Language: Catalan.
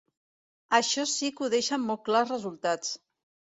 Això sí que ho deixen molt clar els resultats.